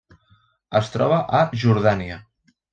Es troba a Jordània.